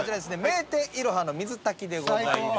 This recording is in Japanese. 名店「いろは」の水炊きでございます。